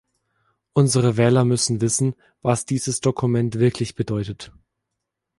Unsere Wähler müssen wissen, was dieses Dokument wirklich bedeutet.